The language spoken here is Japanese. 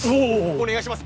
お願いします。